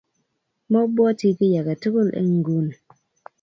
mobwoti kiy age tugul eng nguni